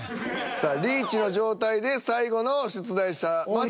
さあリーチの状態で最後の出題者まで。